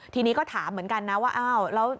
ทีนี้ก็ถามเหมือนกันนะว่า